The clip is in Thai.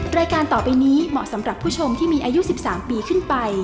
รายการต่อไปนี้เหมาะสำหรับผู้ชมที่มีอายุ๑๓ปีขึ้นไป